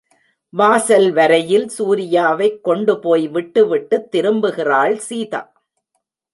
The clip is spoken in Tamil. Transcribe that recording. வாசல் வரையில் சூரியாவைக் கொண்டுபோய் விட்டு விட்டுத் திரும்புகிறாள் சீதா.